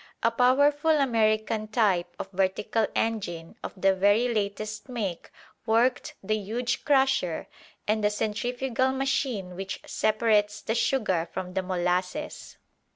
A powerful American type of vertical engine of the very latest make worked the huge crusher and the centrifugal machine which separates the sugar from the molasses.